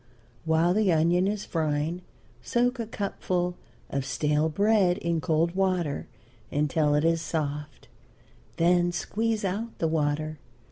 While the onion is frying soak a cupful of stale bread in cold water until it is soft, then squeeze out the water.